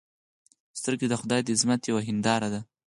سترګې د خدای د عظمت یوه هنداره ده